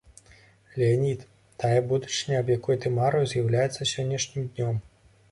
Леанід, тая будучыня, аб якой ты марыў, з'яўляецца сённяшнім днём.